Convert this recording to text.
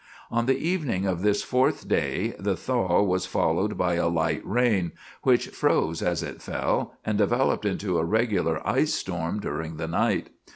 On the evening of this fourth day the thaw was followed by a light rain, which froze as it fell, and developed into a regular ice storm during the night.